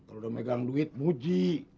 kalau udah megang duit muji